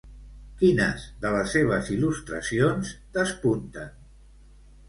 Quines de les seves il·lustracions despunten?